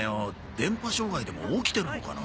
電波障害でも起きてるのかな？